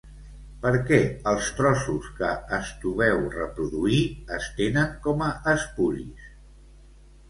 Per què els trossos que Estobeu reproduí es tenen com a espuris?